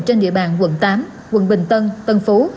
trên địa bàn quận tám quận bình tân tân phú